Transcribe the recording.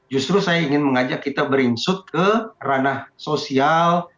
justru saya ingin mengajak kita berinsut ke ranah sosial